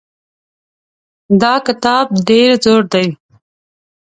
دا کتاب ډېر زوړ دی.